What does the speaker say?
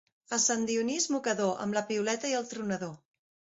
A Sant Dionís, mocador, amb la piuleta i el tronador.